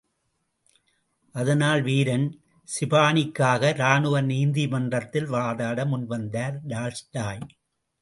அதனால் வீரன் சிபனினுக்காக ராணுவ நீதிமன்றத்தில் வாதாட முன்வந்தார் டால்ஸ்டாய்.